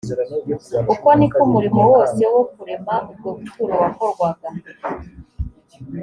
uko ni ko umurimo wose wo kurema ubwo buturo wakorwaga